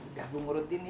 udah gue ngurutin ya